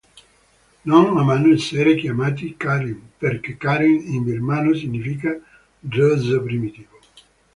Non amano essere chiamati karen, perché karen in Birmano significa rozzo, primitivo.